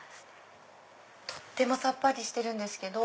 とってもさっぱりしてるけど。